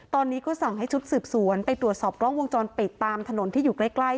ตอนนี้ก็สั่งให้ชุดสืบสวนไปตรวจสอบกล้องวงจรปิดตามถนนที่อยู่ใกล้